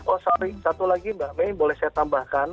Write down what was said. oh sorry satu lagi mbak may boleh saya tambahkan